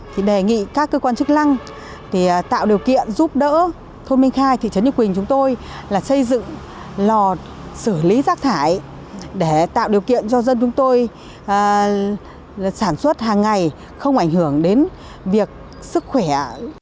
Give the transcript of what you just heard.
thì đề nghị các cơ quan chức năng tạo điều kiện giúp đỡ thôn minh khai thị trấn nhục quỳnh chúng tôi là xây dựng lò xử lý rác thải để tạo điều kiện cho dân chúng tôi sản xuất hàng ngày không ảnh hưởng đến việc sức khỏe